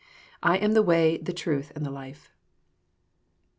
I am the way, the truth, and the life."